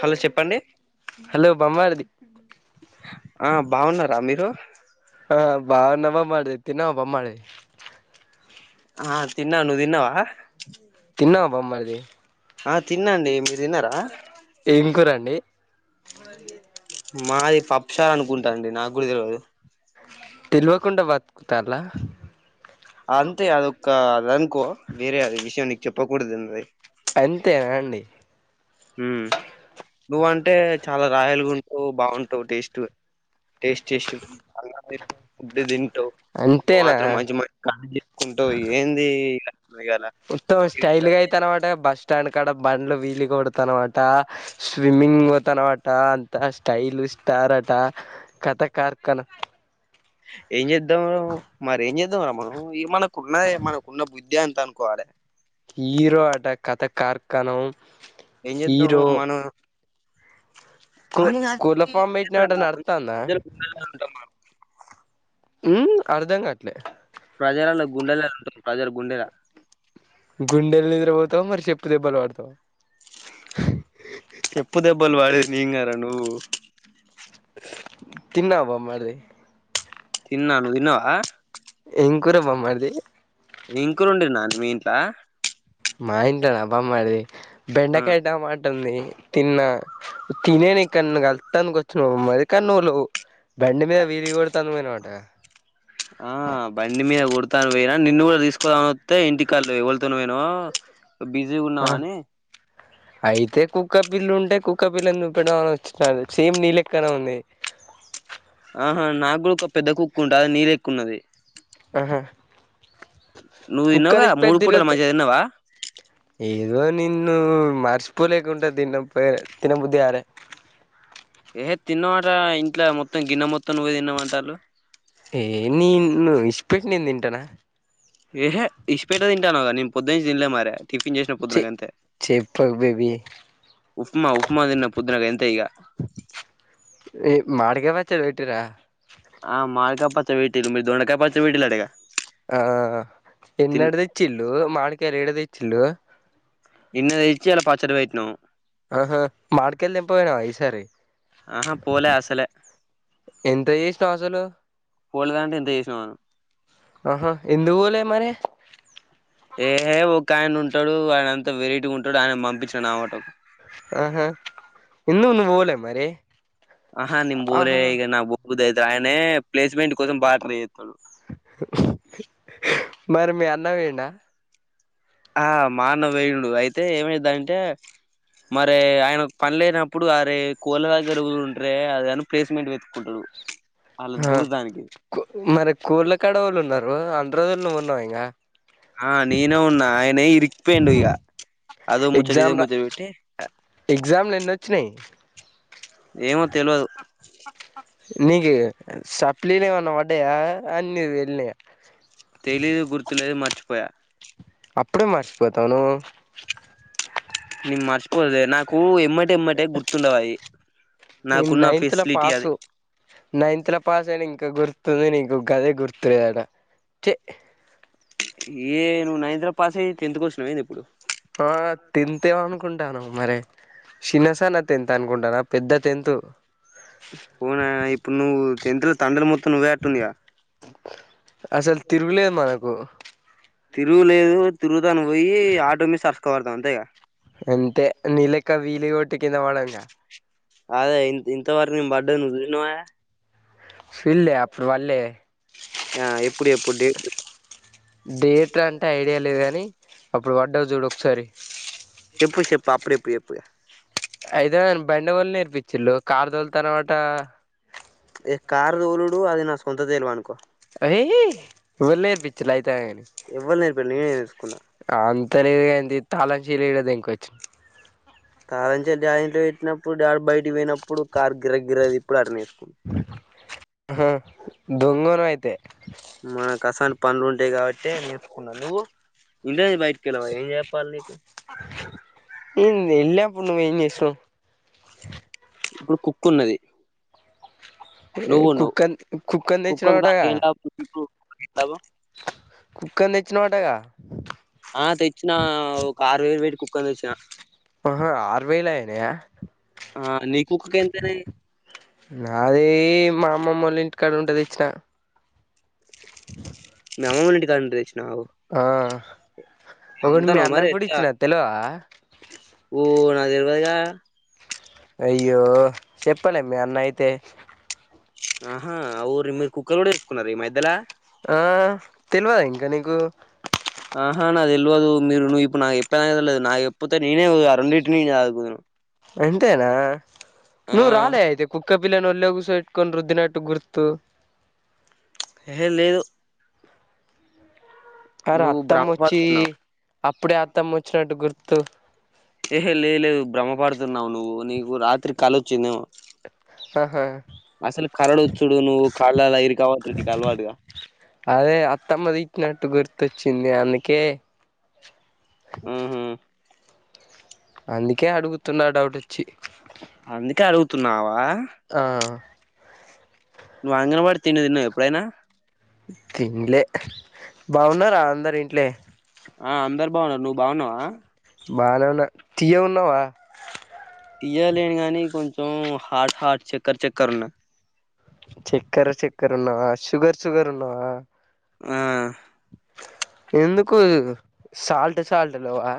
Hello చెప్పండి hello బామ్మర్ది ఆ బావున్నారా మీరు ఆ బావున్నా బామ్మర్ది తిన్నావా బామర్ది ఆ తిన్నా నువ్ తిన్నావా తిన్నావా బామ్మరిది ఆ తిన్నండి మీ తిన్నరా ఏం కూరండి మాది పప్పు షార్ అనుకుంటా అండి నాకు కూడా తెలవదు తెలవకుండా బతుకుతాల్లా అంతే అదొక్క అదనుకో వేరే అది విషయం నీకు చెప్పకూడదు అందే అంతేనా అండి ఊ నువ్వంటే చాలా రాయల్ గుంటావ్ బావుంటావు టేస్ట్ టేస్ట్ టేస్ట్ [inaudible] ఫుడ్దు తింటవ్ నువ్ అంతేనా మాత్రం మంచి మంచి [inaudible] కుంటవ్ ఏంది ఇయాల మొత్తం స్టైల్ గా అయితానావట బస్ స్టాండ్ కాడ బండ్లు వీల్లు కొడతానావట స్విమ్మింగ్ పోతానావట అంతా స్టైల్ స్టార్ అట కత ఖార్ఖానా ఏం చేద్దాం రా మరి ఏం చేద్దాం రా మనం మనకున్న మనకున్న బుద్ధే అంత అనుకోవాలి హీరో ఆట కథ కార్ఖానం ఏం చేద్దాం హీరో మన కూ కోళ్ల ఫామ్ పెట్టినవట నడుత్తాందా [unintelligible] ఉమ్ అర్ధం గాట్లే ప్రజలల్లో గుండెలల్లో ఉంటుంది ప్రజల గుండె గుండెలు నిద్రపోతావు మరి చెప్పు దెబ్బలు పడతావు చెప్పు దెబ్బలు వడేది నేను గారా నువ్వు తిన్నావా బామ్మర్ది తిన్నా నువ్ తిన్నవా ఏం కూర బామ్మర్ది ఏం కూర ఒండినారు మీ ఇంట్ల మా ఇంట్లో నా బామ్మర్ది ఆ బెండకాయ టమా టంది తిన్నా తినేనికన్నుగా కళ్తానికి వచ్చిన నువ్ మరి కాను నువ్లు బండి మీద వీల్లు కొడతాందుకు పొయినావటగా ఆ బండి మీద కొడతానుకు పోయినా నిన్ను కూడా తీసుకోపోదామని వస్తే ఇంటి కాళ్ళు ఎవళుతోనో పొయినావో ఆ బిజీగున్నావని అయితే కుక్క పిల్లుంటే కుక్క పిల్లను చూపెడదాం అని వచ్చినాడు సేమ్ నీ లెక్కన ఉంది ఆహా నాకు గూడా ఒక పెద్ద కుక్కుంటాది అది నీలెక్కున్నది ఆహా నువ్వు తిన్నావుగా మూడు కుక్కనిచ్చిపెట్ది పూటలు తిరుగుతే మంచిగా తిన్నావా ఏదో నిన్ను మర్చిపోలేకుంటే తిన్నపే తినబుద్ది కాదే ఏ తిన్నావట ఇంట్లో మొత్తం గిన్నె మొత్తం నువ్వే తిన్నావ్ అంటాళ్ళు ఏ నిన్ను ఇడిసిపెట్టి నేను తింటనా ఏహే ఇసిపేట తింటాన కాని పొద్దు నుంచి తిన్లే మరే టిఫిన్ చేసిన పొద్దున గంతే విఎ ఉప్మా ఉప్మా దిన్న పొద్దున గంతే ఇగ ఈ మాడికాయ పచ్చడి పెట్టిర ఆ మాడికాయ పచ్చడి పెట్టిర్రు మీ ద దొండకాయ పచ్చడి పెట్టిర్రు అటగ ఆ ఎన్నెడు తెచ్చిండు మామిడికాయలు ఏడ తెచ్చిండు. నిన్న తెచ్చి ఇయాల పచ్చడి పెట్టినం ఆహా మాడికాయలు తెపొయిరా ఈసారి ఆహా పోలే అసలే ఎంత చేసినవ్ అసలు లేదంటే ఇంత చేసినవా ఆహా ఎందుపోలే మరి ఏ ఒక ఆయన ఉంటాడు ఆయన అంతా వెరైటీగ ఉంటడు ఆయన పంపించాడు ఆ వాటకు ఆహా ఎందుకు పోలే మరి ఆహా నేన్ పోలె ఆహా ఇగ నాకు పోబుద్దెయదు ఆయనే ప్లేస్మెంట్ కోసం బా ట్రై చేస్తుండు మరి మీ అన్న పోయిండా ఆ మా అన్న పోయిండు అయితే ఏమైందంటే మరి ఆయనకు పని లేనప్పుడు అరే కోళ్ళ దగ్గరకు ఉంట్రే అది అను ప్లేస్మెంట్ వెతుకుంటరు అలా ఆహా దూదానికి మరి కూళ్ళ కడవలు ఉన్నారు అండ్రోజులు నువ్వున్నావు ఇంగా ఆ నేనే ఉన్నా ఆయన ఇరికిపోయిండు ఇగ అదో ముచ్చట ఇదో ఎగ్జామ్ రా ముచ్చట పెట్టి ఎగ్జామ్లో ఎన్నొచ్చినాయి ఏమో తెల్వదు నీ సప్లీలేవన్న పడయా అన్ని వీన్లే తెలీదు గుర్తులేదు మర్చిపోయా అప్పుడే మర్చిపోతావ నువ్వు నేను మర్చిపోలే నాకు ఎమ్మటి ఎమ్మటే గుర్తుండవు అయి నేన్ నాకున్న నైన్త్ లో ఫెసిలిటీ అది పాసు నైన్త్ లో పాస్ అయిన ఇంకా గుర్తుంది నీకు గదే గుర్తులేదట ఛీ ఏ నువ్వు నైత్ లో పాస్ అయ్యి టెన్త్కి వచ్చినవెంది ఇప్పుడు ఆ టెన్త్ ఏం అనుకుంటాను మరి చిన్నసాన టెన్త్ అనుకుంటాన పెద్ద తెంతు ఉనా ఇప్పుడు నువ్వు టెన్త్లో తన్నులు మొత్తం నువ్వే అట్టుందిగా అసలు తిరుగులే మనకు తిరుగులేదు తిరుగుతాను పోయి ఆటో నీ సక్కబెడతాను అంతే ఇగ అంతే నీలెక్క వీలిగొట్టి కింద పడంగా అదే ఇం ఇంతవరకు మేం పడ్డది నువ్వు చుసినవావ సిల్లే అప్పుడు వళ్ళే ఆ ఎప్పుడు ఎప్పుడు డేట్లు డేట్ అంటే ఐడియా లేదు గానీ అప్పుడు పడ్డవు చూడు ఒకసారి ఎప్పుడు చెప్పు అప్పుడు ఎప్పుడు ఎప్పుడ్ అయితే బండిగొని నేర్పించిల్లు కారుదోల్తను తనావట ఏ కారుదోలుడు అది నా సొంత తెలివనుకో ఏయ్ ఎవలు నేర్పించిళ్ళు అయితే గాని ఎవ్వరు నేర్పిలా నేనే నేర్సుకున్నా అంత లేదుఎంది తాళంచెవులు ఏడ దేంక్ వచ్చిన తాళంచెవులు యా ఇంట్లో పెట్టినప్పుడు డాడీ బయకి పోయినప్పుడు కారు గిర్ర గిర్రా తిప్పుడు అట్లా నేర్చుకున్న దొంగోనివి అయితే మన కసాని పనులు ఉంటాయి కాబట్టె నేర్చుకున్నా నువ్వు ఉండేది బయటకెళ్ళవ ఏం చెప్ప చెప్పాలి ఇన్ని వెళ్ళినపుడు నువేం చేసినవ్ ఇప్పుడు కుక్ ఉన్నది నువ్ ఉన్నావ్ కుక్కన్ కుక్కని చాకి తెచ్చినావటగా ఏం లాభం కుక్కని తెచ్చినవటగా ఆ తెచ్చిన ఒక ఆరు వేలు పెట్టి కుక్కను తెచ్చిన హ ఆరువైలా ఎనే ఆ నీ కుక్కకి ఎంతైనాయి నాది మా అమ్మమ్మళ్ళ ఇంటికాడ ఉంటది ఇచ్చిన మీ అమ్మమ్మ ఇంటి కాడ నుంచి తెచ్చినావు ఆ ఒకటి మీ అమ్ముతాన్నావా మరి అన్నకు కూడా ఇచ్చిన తెలోఆ ఊ నాది తెలువదిగా అయ్యో చెప్పాల మీ అన్న అయితే ఆహా అవురు ని మీ కుక్కర్ కూడా ఇర్కునార ఈ మధ్యలో ఆ తెలివదా ఇంకా నీకు ఆహా నాది తెల్వదు మీరు నువ్వు ఇప్పుడుకుప్పే కదలేదు నాకు ఎప్పపోతే నేనే అ రెండింటినిదు అంతేనా ఆ నుూ రాలే అయితే కుక్ కుక్క పిల్ల న ఒల్గుస ఇట్కొ రుద్దినాటుకు గుర్తు ఎ లేదు అరే నువ్వు అత్తమ్మ వొచ్చి భ్రమపడుతున్నావు అప్పుడే అత్తమ్మ వచ్చినట్టు గుర్తు ఏహే లే లేదు భ్రమ పడుతున్నావు నువ్వు నీకు రాత్రి కళ్ళ వచ్చిందేమో ఆహా అసలు కరడు చుడు నువ్వు కళ్ళాల ఇరి కావదు రెటికి అల్వాటుగా అదే అత్తమ్మ తిచ్చినట్టు గుర్తొచ్చింది అందుకే ఊహు అందుకే అడుగుతున్న డౌట్ వచ్చి అందుకే అడుగుతున్నావా ఆ నువ్వుంగన్వాడడి తిండి తిన్నవా ఎప్పుడైనా తింలే బాగున్నారా అందరి ఇంట్లే ఆ అందరు బాగున్నారు నువ్వు బాగున్నావా బాగా ఉన్నా తీయ ఉన్నావా పయలేని గానీ కొంచెం హార్ట్ హార్ట్ చక్కర్ చక్కర్ ఉన్న చక్కెర చక్కర్ ఉన్నావా షుగర్ షుగర్ ఉన్నావా ఆ ఎందుకు సాల్ట్ సాల్ట్ లోవా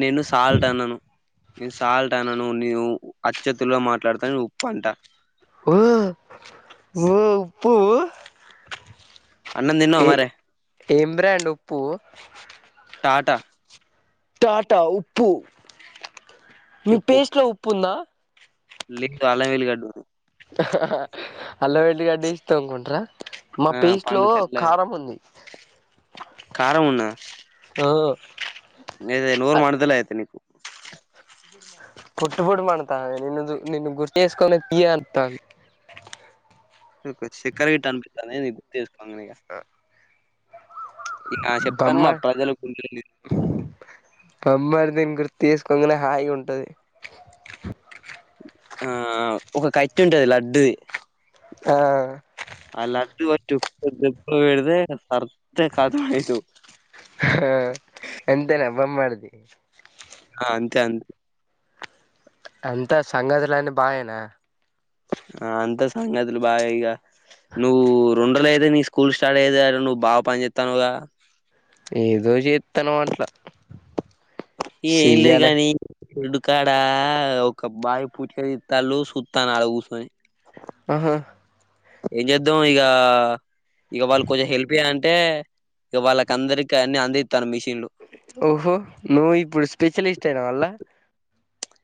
నేను సాల్ట్ అన్నాను నేను సాల్ట్ అనను నీవు అచ్చత్లో మాట్లాడతాను ఉప్పు అంట ఊ ఉఊ ఉప్పు అన్నం తిన్నావా ఏ మరే ఏం బ్రాండ్ ఉప్పు టాటా టాటా ఉప్పు మీ పేస్ట్లో ఉప్పు ఉందా లిక్ డాల వెల్ గడ్డు ఉర్ అల్లం ఎల్లిగడ్డ వేసి తోముకుంటార మా ఆ పేస్ట్ లో పండ్లు తెల్లగా కారం ఉంది కారం ఉన్నద ఓహో గదే నోరు మండుతలేదు అయితే నీకు పొట్ పొట్ మండుతాంది నిన్ను గుర్తు ఏస్కనే తీయగ అత్తంది నీకు చక్కర గిట్ట అనిపిస్థాందా ఏంది నన్ను గుర్తు చేస్కోంగానే ఇంగ గమ్మయ్ ప్రజల గుండెల్ని బమ్మర్దిని గుర్తు ఏసుకోంగనే హాయి ఉంటది ఆ ఒక కట్ ఉంటది లడ్డు ఆ ఆ లడ్దు వట్టి ఒక్క దెబ్బ విడద సర్ద కతమయితవ్ ఆ ఎంతేనా బామ్మార్ది ఆ అంతే అంత అంతా సంగతులన్నీ బాగెనా ఆ అంతా సంగతులు బాగె ఇగా నువ్వు రెండోలు అయితే తీస్ స్కూల్ స్టార్ట్ అయింది గా నువ్వు బాగా పని చేతన్నావ్ గా ఏదో చేతన్న అట్ల ఏ ఏం లేదు గాని ఉడుకాడ ఒక బావి పుట్క తిత్తళు చుత్తన్న అడ కూర్చొని ఆహా ఏం చేద్దాం ఇగ ఇగ వాళ్ళు కొంచెం హెల్ప్ చేయ అంటే ఇక వాళ్ళ అందరికి అన్ని అందిత్తన్న మిషన్లు ఓహో నువ్వు ఇప్పుడు స్పెషలిస్ట్ అయినవ ఆళ్ళ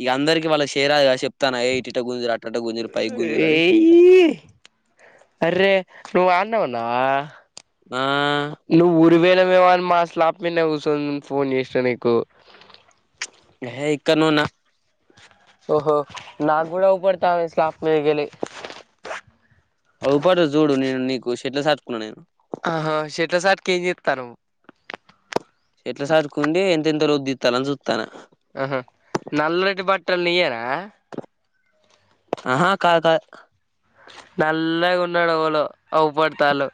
ఇక అందరికి వాళ్ళకి చెరాదు గద చెప్తన్న ఏ ఇటట గుంజరు అట్టట గుంజరు ఏయ్ అరే నువ్వు అన్నే ఉన్నవ ఆ నువ్వు ఊరి పోయినవేమో అని మా స్లాప్మేధనె కుసుని ఫోన్ చేసినా నీకు ఎహె ఇక్కన్నే ఉన్న ఓహో నా గుడా అగుపడుతంది స్లాప్ మీదికెళి అగుపడుత చూడు నేను నీకు చెట్ల చటుకున్నా నేను ఆహా చెట్ల సటుకు ఏం చెత్తన్నావ్ చెట్ల సాటుకు ఉండి ఎంతెంత లోతు తిత్తర్రు అని సుత్తన్న ఆహా నల్లటి బట్టలు నియ్యేన ఆహా కాద్ కాద్ నల్లగా ఉన్నాడు ఎవలో అగుపడతాళ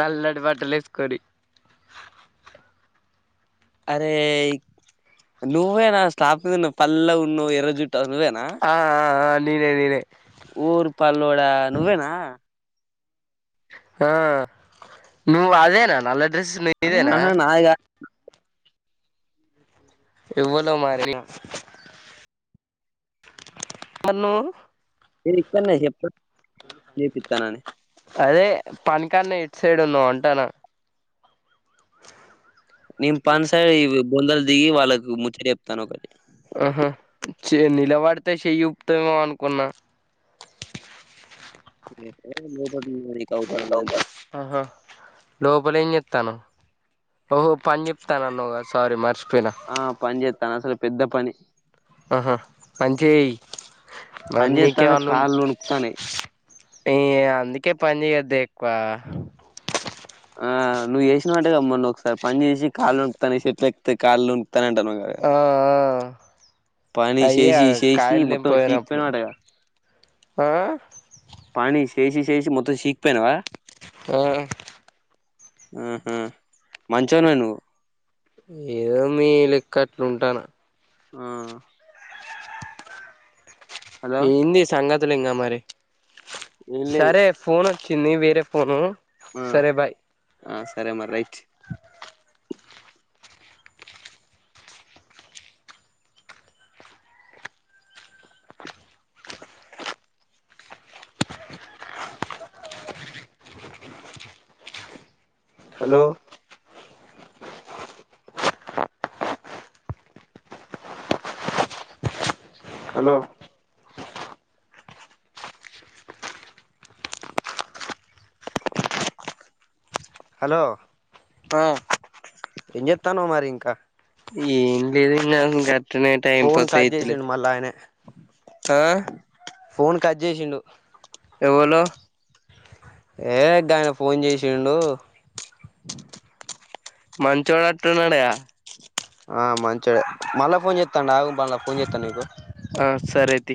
నల్లటి బట్టలు వేసుకొని అరేయ్ నువ్వేనా స్లాప్ పల్ ఉన్ను ఎర్ర జుట్ నువ్వేనా ఆ ఆ ఆ నేనే నేనే ఓరి పల్లోడ నువ్వేనా ఆ నువ్ అదేనా నల్ల డ్రెస్ నిదేనా ఆహా నాది కాదు ఎవ్వలో మరి మరి నువ్వు నె ఇక్కానే చెప్ నీకు ఇత్తానని అదే పని కన్న ఎట్ సైడ్ ఉన్నవ్ అంటానా నేను పని సైడ్ ఇవి బొందలు దిగి వాళ్ళకి ముచ్చట చెప్తాన్న ఒకటి ఆహా చె నిలబడితే చెయ్యూపుతవేమో అనుకున్నా నేనే లోపల నిలబడిన నీకు ఆగుపడడం దానికి ఆహా లోపల ఏం చెత్తన్నావ్ ఓహో పని చెప్తానాన్నవు కదా సారూ మర్చిపోయినా ఆ పని చేస్తన్న అసలు పెద్ద పని ఆహా మంచిగ చెయ్యి మరి పని చేస్తాను నీకేమన్నా ఉందా కాళ్ళు వణుకుతాన్నాయి ఏ అందుకే పని చేయద్దె ఎక్కువ ఆ నువ్వు చేసినవంటగా మొన్న ఒకసారి పని చేసి కాళ్లు వణుకుతున్నాయి చెట్ల ఎక్కితే కాళ్లు వణుకుతున్నాయి అంటున్నావు గా ఆ ఆ అయ్యో చేసి చేసి కాయలు తెంప మొత్తం పోయినప్పుడు చీకిపోయినావటగా ఆ పని చేేసి చేేసి మొత్తం సీకిపోయినావా ఆ ఊహూ మంచోనివే నువ్వు ఏదో మీ లెక్క అట్ల ఉంటన్నా. ఆ హలో ఎందీ సంగతులు ఇంగా మరి ఏం లేదు సరే ఫోన్ వచ్చింది వేరే ఫోను ఆ సరే బాయ్. ఆ సరే మరి రైట్ హలో హలో హలో ఆ ఏం చేత్తన్నావ్ మరి ఇంకా ఏం లేదులే అట్టనే టైం ఫోన్ పాస్ కట్ అయితలే చేసిండు మళ్ళా ఆయనే ఆ ఫోన్ కట్ చేసిండు ఎవలు ఏ గాయన ఫోన్ చేసిండు మంచోడు అంటున్నాడు గా ఆ మంచోడు మళ్ళా ఫోన్ చేస్తాండు ఆగు మళ్ళ ఫోన్ చేస్తాను నీకు ఆ సరే తీ